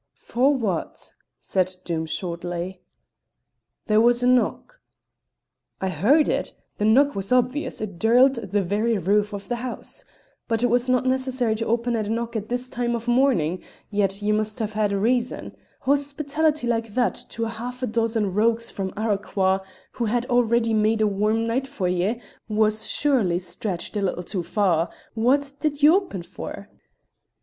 "For what?" said Doom shortly. "There was a knock." "I heard it. The knock was obvious; it dirled the very roof of the house. But it was not necessary to open at a knock at this time of morning; ye must have had a reason. Hospitality like that to half a dozen rogues from Arroquhar, who had already made a warm night for ye, was surely stretched a little too far. What did ye open for?"